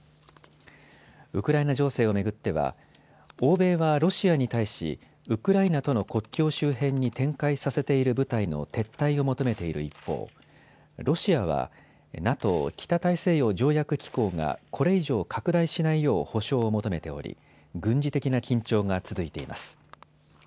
ウクライナ情勢を巡っては欧米はロシアに対しウクライナとの国境周辺に展開させている部隊の撤退を求めている一方、ロシアはＮＡＴＯ・北大西洋条約機構がこれ以上拡大しないよう保証を求めており軍事的な緊張が続いています。